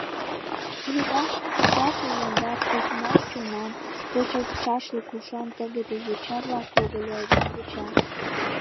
Ужыда: чапле, яндар, тичмаш чонан, почылтшашлык ушан тыгыде йоча-влак «когыльыдам» вучат...